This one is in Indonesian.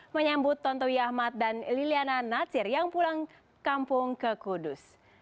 menyambut tontowi ahmad dan liliana natsir yang pulang kampung ke kudus